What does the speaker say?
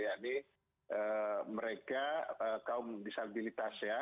yakni mereka kaum disabilitas ya